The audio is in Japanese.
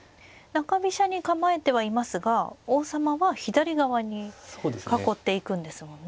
中飛車に構えてはいますが王様は左側に囲っていくんですもんね。